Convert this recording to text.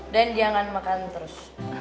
dan jangan makan terus